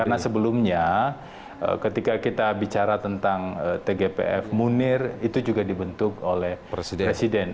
karena sebelumnya ketika kita bicara tentang tgpf munir itu juga dibentuk oleh presiden